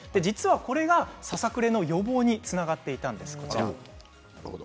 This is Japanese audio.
これがささくれの予防につながっていたんです。